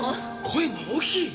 声が大きい！